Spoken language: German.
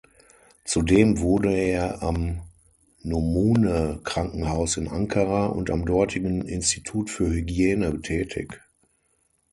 Zudem wurde er am "Numune"-Krankenhaus in Ankara und am dortigen Institut für Hygiene tätig.